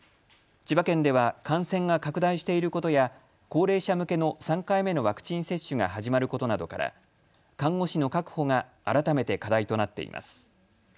千葉県では感染が拡大していることや高齢者向けの３回目のワクチン接種が始まることなどから看護師の確保が改めて課題となっています。